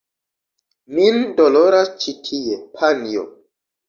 Min doloras ĉi tie, panjo!